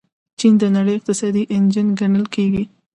چین د نړۍ اقتصادي انجن ګڼل کیږي.